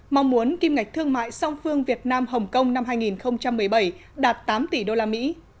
mong muốn kim ngạch thương mại song phương việt nam hồng kông năm hai nghìn một mươi bảy đạt tám tỷ usd